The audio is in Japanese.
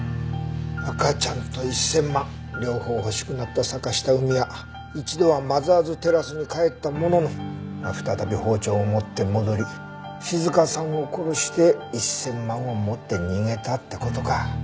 赤ちゃんと１千万両方欲しくなった坂下海は一度はマザーズテラスに帰ったものの再び包丁を持って戻り静香さんを殺して１千万を持って逃げたって事か。